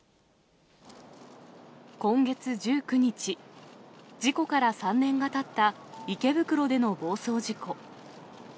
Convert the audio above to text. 今月１９日、事故から３年がたった池袋での暴走事故。